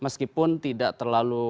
meskipun tidak terlalu